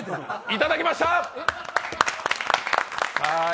いただきました！